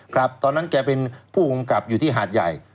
ครับตอนนั้นแกเป็นผู้กำกับอยู่ที่หาดใหญ่